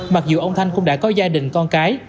mặc dù ông thanh cũng đã có gia đình con cái